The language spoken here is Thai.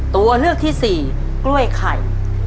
ตัวเลือกที่สี่กล้วยไข่